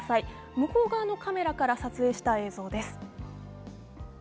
向こう側のカメラから撮影した映像です。